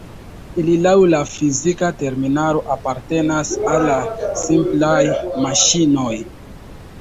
Ili laŭ la fizika terminaro apartenas al la simplaj maŝinoj.